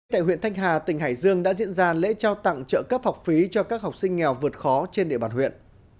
tại huyện thanh hà tỉnh hải dương đã diễn ra lễ trao tặng trợ cấp học phí cho các học sinh nghèo vượt khó trên địa bàn huyện